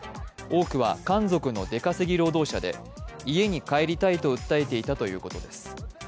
多くは漢族の出稼ぎ労働者で、家に帰りたいと訴えていたということです。